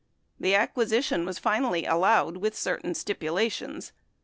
The acquisition was finallv allowed with certain stipulations.